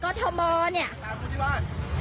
เค้าทำมาดีกว่า